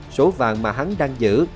số vàng mà hắn đang giữ